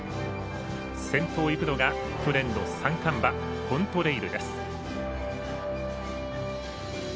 先頭を行くのが去年の三冠馬コントレイルです。